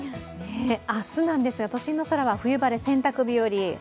明日なんですが、都心の空は冬晴れ、選択日和。